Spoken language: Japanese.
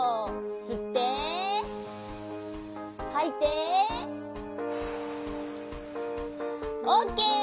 すってはいてオッケー。